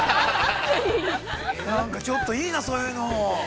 なんかちょっといいな、そういうの。